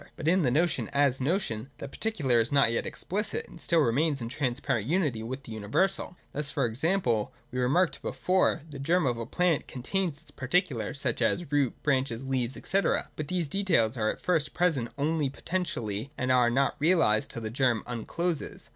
But in the notion as notion the particular is not yet explicit, and still remains in transparent unity with the universal. Thus, for example, as we remarked before (§ 160, note), the germ of a plant contains its particular, such as root, branches, leaves, &c. : but these details are at first present only potentially, and are not realised tUl the germ uncloses.